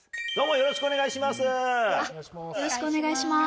よろしくお願いします。